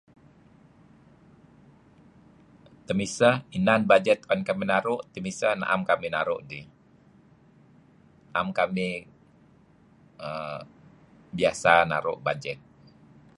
Temiseh inan bajet tu'en kamih naru' , temisah na'em kamih naru' biasa naru' dih. 'am kamih biasa naru' bajet.